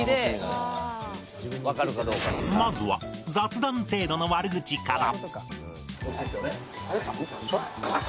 まずは雑談程度の悪口から